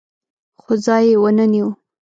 خو ځای یې ونه نیو.